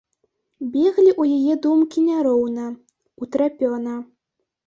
Беглі ў яе думкі няроўна, утрапёна.